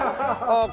ああ。